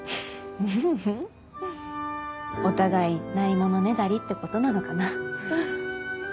ううん。お互いないものねだりってことなのかな。